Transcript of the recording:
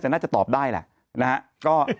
แต่น่าจะตอบได้แหละนะฮะ